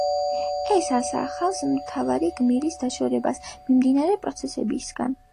ეს ასახავს მთავარი გმირის დაშორებას მიმდინარე პროცესებისგან.